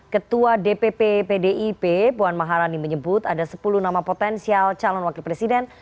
ketua dpp pdip puan maharani menyebut ada sepuluh nama potensial calon wakil presiden